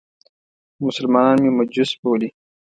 مسلمانان مې مجوس بولي.